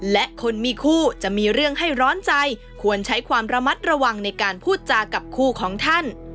และคนมีคู่จะมีเรื่องให้ร้อนใจควรใช้ความระมัดระวังในการพูดจากับคู่ของท่าน